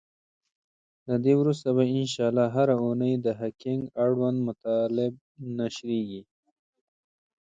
له دی وروسته به ان شاءالله هره اونۍ د هکینګ اړوند مطالب نشریږی.